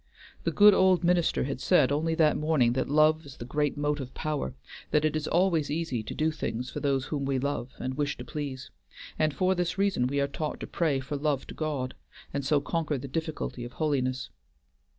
The good old minister had said only that morning that love is the great motive power, that it is always easy to do things for those whom we love and wish to please, and for this reason we are taught to pray for love to God, and so conquer the difficulty of holiness.